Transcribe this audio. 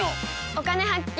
「お金発見」。